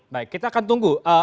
baik kita akan tunggu